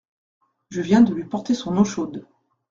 Je viens de lui porter son eau chaude.